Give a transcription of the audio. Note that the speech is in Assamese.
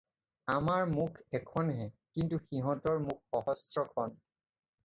আমাৰ মুখ এখন হে কিন্তু সিহঁতৰ মুখ সহস্ৰ খন।